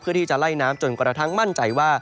เพื่อที่จะไล่น้ำจนกระทั่งมั่นใจว่า